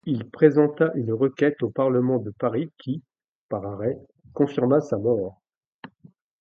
Il présenta une requête au parlement de Paris qui, par arrêt, confirma sa mort.